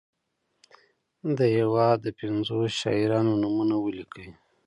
د هیواد د پنځو شاعرانو نومونه ولیکي.